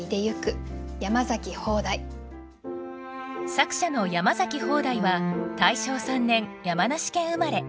作者の山崎方代は大正３年山梨県生まれ。